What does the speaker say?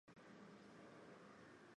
關西交流道